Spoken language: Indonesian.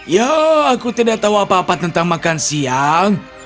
ya aku tidak tahu apa apa tentang makan siang